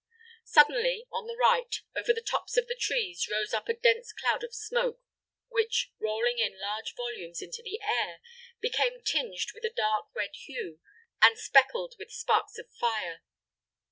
Suddenly, on the right, over the tops of the trees, rose up a dense cloud of smoke, which, rolling in large volumes into the air, became tinged with a dark red hue, and speckled with sparks of fire.